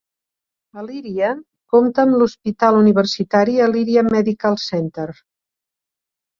Elyria compta amb l'hospital universitari Elyria Medical Center.